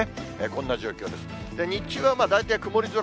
こんな状況です。